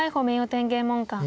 天元門下。